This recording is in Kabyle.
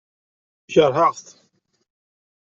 Keṛheɣ-t.